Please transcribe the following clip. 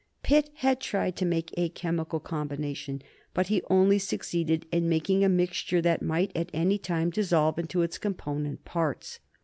Pitt had tried to make a chemical combination, but he only succeeded in making a mixture that might at any time dissolve into its component parts.